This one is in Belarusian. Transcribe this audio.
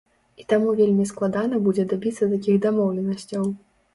І таму вельмі складана будзе дабіцца такіх дамоўленасцяў.